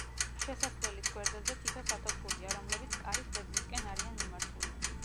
შესასვლელის გვერდებზე თითო სათოფურია, რომლებიც კარის ღერძისკენ არიან მიმართული.